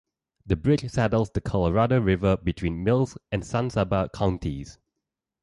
The bridge saddles the Colorado River between Mills and San Saba counties.